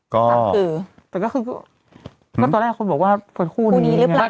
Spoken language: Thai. ก็ต่อแรกคนบอกว่าคู่นี้หรือเปล่า